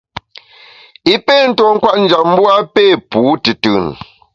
I pé tuo kwet njap, mbu a pé pu tùtùn.